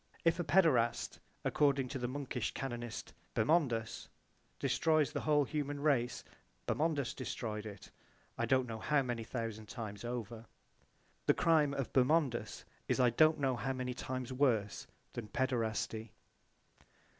If a paederast, according to the monkish canonist Bermondus, destroys the whole human race Bermondus destroyed it I don't know how many thousand times over. The crime of Bermondus is I don't know how many times worse than paederasty.